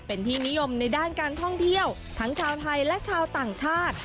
เป็นที่นิยมในด้านการท่องเที่ยวทั้งชาวไทยและชาวต่างชาติ